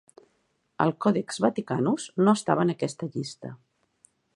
El Codex Vaticanus no estava en aquesta llista.